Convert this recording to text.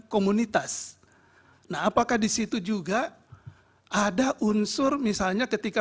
komunitas nah apakah disitu juga ada unsur misalnya ketika